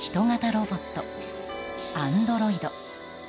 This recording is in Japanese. ロボット、アンドロイド。